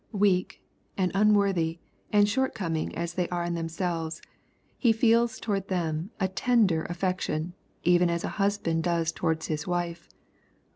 Weak, and unworthy, and short coming as they are in themselves, He feels towards them a tender affection, even as a husband does towards his wife.